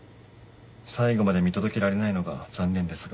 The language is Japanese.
最後まで見届けられないのが残念ですが。